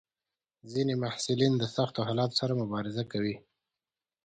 ځینې محصلین د سختو حالاتو سره مبارزه کوي.